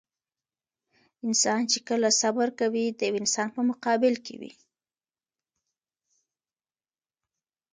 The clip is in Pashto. انسان چې کله صبر کوي د يوه انسان په مقابل کې وي.